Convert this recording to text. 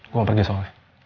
gue mau pergi soalnya